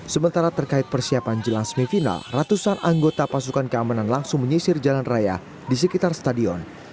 sementara terkait persiapan jelang semifinal ratusan anggota pasukan keamanan langsung menyisir jalan raya di sekitar stadion